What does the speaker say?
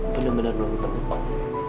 bener bener luar utama pak